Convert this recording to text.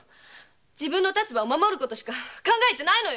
自分の立場を守ることしか考えてないのよ！